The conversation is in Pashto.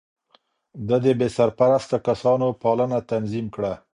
ده د بې سرپرسته کسانو پالنه تنظيم کړه.